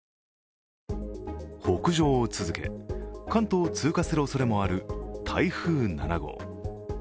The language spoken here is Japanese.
北上を続け、関東を通過するおそれもある台風７号。